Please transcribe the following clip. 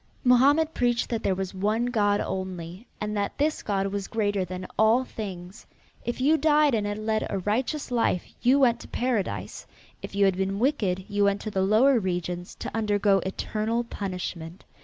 Mohammed preached that there was one God only, and that this God was greater than all things. If you died and had led a righteous life you went to Paradise; if you had been wicked you went to the lower regions to undergo eternal punishment.